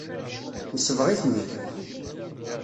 Nesbeɣ-iten-id.